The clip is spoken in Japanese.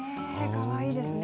かわいいですね。